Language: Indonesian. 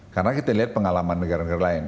karena kita lihat pengalaman negara negara lain